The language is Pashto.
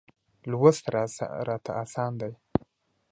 لوست راته اسانه دی.